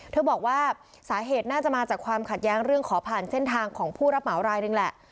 บอกว่าสาเหตุน่าจะมาจากความขัดแย้งเรื่องขอผ่านเส้นทางของผู้รับเหมารายหนึ่งแหละ